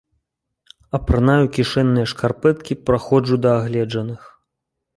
Апранаю кішэнныя шкарпэткі праходжу да агледжаных.